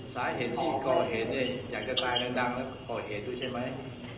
สาเหตุที่ก่อเหตุเนี่ยอยากจะตายดังแล้วก็ก่อเหตุด้วยใช่ไหม